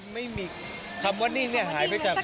ไม่มีคำว่านี่หายไปจากพัฒนาทุกกรม